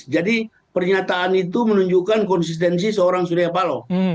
jadi pernyataan itu menunjukkan konsistensi seorang surya paloh